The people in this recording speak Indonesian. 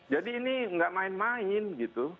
ini nggak main main gitu